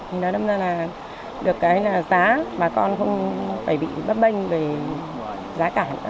thì nó đâm ra là được cái giá mà con không phải bị bắt bênh về giá cả